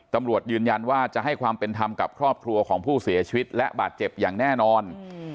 ตำรวจยืนยันว่าจะให้ความเป็นธรรมกับครอบครัวของผู้เสียชีวิตและบาดเจ็บอย่างแน่นอน